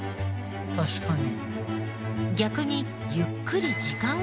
確かに。